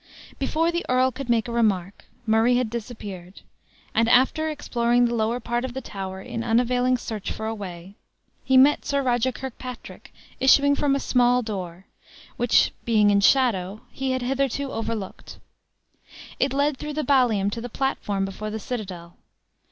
Before the earl could make a remark, Murray had disappeared; and after exploring the lower part of the tower in unavailing search for a way, he met Sir Roger Kirkpatrick issuing from a small door, which, being in shadow, he had hitherto overlooked. It led through the ballium, to the platform before the citadel.